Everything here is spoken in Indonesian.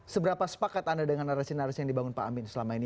seberapa sepakat anda dengan narasi narasi yang dibangun pak amin selama ini